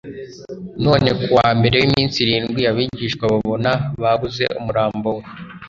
none kuwa mbere w'iminsi irindwi abigishwa babona babuze umurambo we